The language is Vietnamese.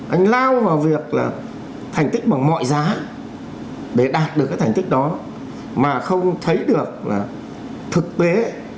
anh lao vào việc là thành tích bằng mọi giá để đạt được cái thành tích đó mà không thấy được là thực tế